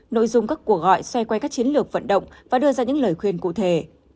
nội dung các cuộc gọi xoay quanh các chiến lược vận động và đưa ra những lời khuyên cụ thể